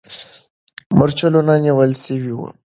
مرچلونه نیول سوي وو.